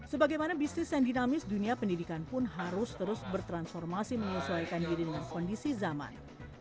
sebagaimana bisnis yang dinamis dunia pendidikan pun harus terus bertransformasi menyesuaikan diri dengan kondisi zaman